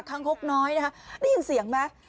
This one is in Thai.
ทางครบน้อยนะคะได้ยินเสียงมั้ย